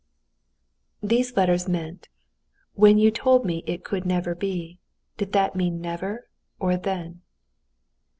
These letters meant, "When you told me it could never be, did that mean never, or then?"